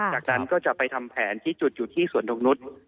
จากนั้นก็จะไปทำแผนที่จุดอยู่ที่สวนตรงนุษย์